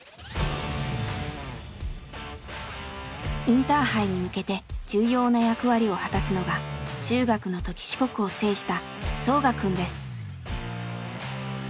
インターハイに向けて重要な役割を果たすのが中学の時四国を制したソウガくんです。